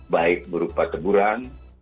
baik berupa teguran